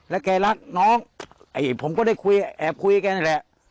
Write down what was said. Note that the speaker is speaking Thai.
และแกรักน้องผมก็ได้แอบคุยกับแกนี่แหละ